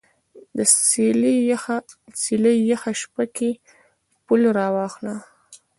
د څیلې یخه شپه کې پل راواخله